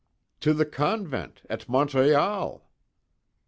"To the convent, at Montreal."